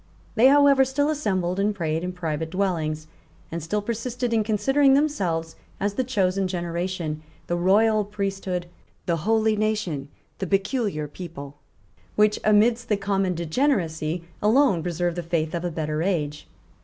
They, however, still assembled and prayed in private dwellings, and still persisted in considering themselves as the chosen generation, the royal priesthood, the holy nation, the peculiar people, which, amidst the common degeneracy, alone preserved the faith of a better age.